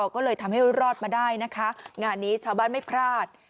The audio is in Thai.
ก็เลยทำให้รอดมาได้นะคะงานนี้ชาวบ้านไม่พลาด